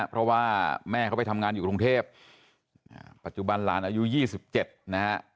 เพราะว่าแม่เขาไปทำงานอยู่กรุงเทพปัจจุบันหลานอายุ๒๗นะฮะ